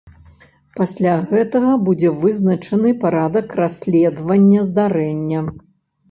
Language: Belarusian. Пасля гэтага будзе вызначаны парадак расследавання здарэння.